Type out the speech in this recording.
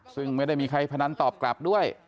ซึ่งไม่ได้มีใครพนันตอบกลับด้วย